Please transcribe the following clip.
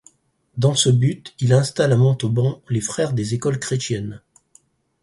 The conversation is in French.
Dans ce but il installe à Montauban les Frères des écoles chrétiennes.